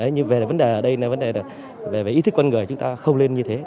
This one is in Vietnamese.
nhưng về vấn đề ở đây là vấn đề về ý thức con người chúng ta không lên như thế